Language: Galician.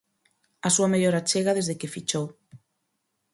A súa mellor achega desde que fichou.